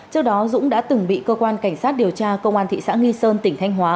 trước đó dũng đã từng bị cơ quan cảnh sát điều tra công an thị xã nghi sơn tỉnh thanh hóa